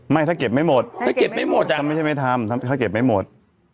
ไม่ถ้าเก็บไม่หมดถ้าเก็บไม่หมดอ่ะไม่ใช่ไม่ทำถ้าเก็บไม่หมด